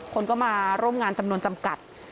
คนก็มาร่วมงานจำนวนจำกัด